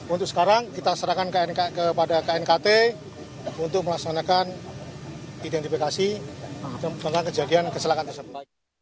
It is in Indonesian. untuk sekarang kita serahkan kepada knkt untuk melaksanakan identifikasi tentang kejadian kecelakaan tersebut